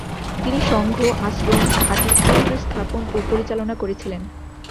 তিনি সংঘ, আশ্রম, খাদী কেন্দ্র স্থাপন ও পরিচালনা করেছিলেন।